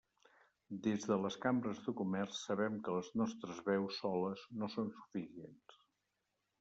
Des de les cambres de comerç sabem que les nostres veus soles no són suficients.